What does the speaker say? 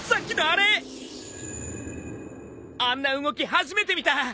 あんな動き初めて見た！